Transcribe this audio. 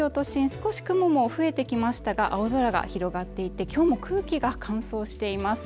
少し雲も増えてきましたが青空が広がっていて今日も空気が乾燥しています